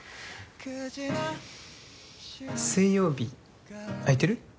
水曜日空いてる？